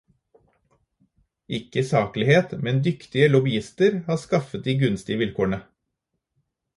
Ikke saklighet, men dyktige lobbyister har skaffet de gunstige vilkårene.